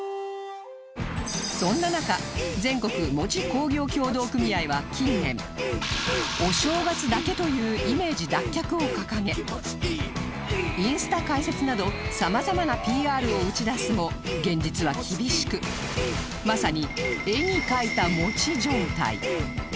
そんな中全国餅工業協同組合は近年お正月だけというイメージ脱却を掲げインスタ開設など様々な ＰＲ を打ち出すも現実は厳しくまさに絵に描いたもち状態